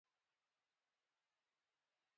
ما نه شو کولای داسې ژر ستا نوم په ژبه راوړم.